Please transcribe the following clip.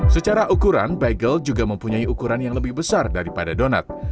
secara ukuran bagel juga mempunyai ukuran yang lebih besar daripada donat